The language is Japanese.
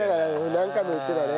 何回も言ってたね。